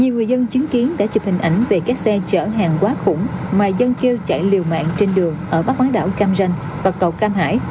nhiều người dân chứng kiến đã chụp hình ảnh về các xe chở hàng quá khủng mà dân kêu chạy liều mạng trên đường ở bắc quán đảo cam ranh và cầu cam hải